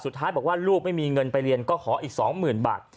สุดท้ายบอกว่าลูกไม่มีเงินไปเรียนก็ขออีก๒๐๐๐บาท